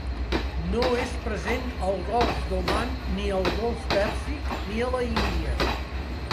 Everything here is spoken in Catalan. No és present al golf d'Oman, ni al golf Pèrsic ni a l'Índia.